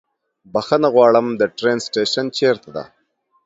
بښنه غواړم، د ټرين سټيشن چيرته ده؟